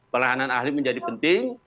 peranan ahli menjadi penting